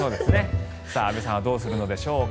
安部さんはどうするのでしょうか。